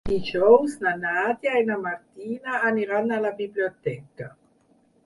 Dijous na Nàdia i na Martina aniran a la biblioteca.